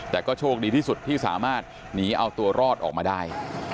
แต่ก็โชคดีที่สุดที่สามารถหนีเอาตัวรอดออกมาได้